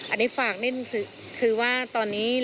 อันนี้ฝากนี่คือว่าตอนนี้เรา